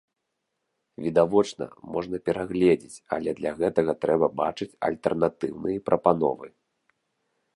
Відавочна, можна перагледзець, але для гэтага трэба бачыць альтэрнатыўныя прапановы.